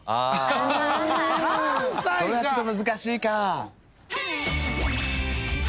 それはちょっと難しいか。